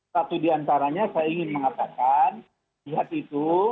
satu diantaranya saya ingin mengatakan lihat itu